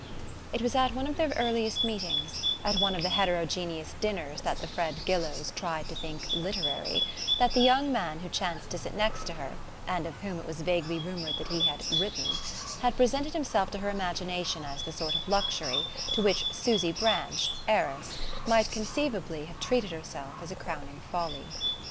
It was at one of their earliest meetings at one of the heterogeneous dinners that the Fred Gillows tried to think "literary" that the young man who chanced to sit next to her, and of whom it was vaguely rumoured that he had "written," had presented himself to her imagination as the sort of luxury to which Susy Branch, heiress, might conceivably have treated herself as a crowning folly.